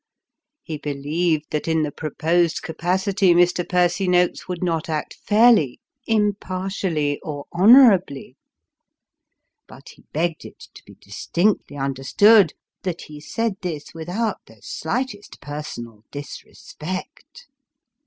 He believed that in the proposed capacity Mr. Percy Noakes would not act fairly, impartially, or honourably; but he begged it to be distinctly understood, that he said this, without the slightest personal disrespect.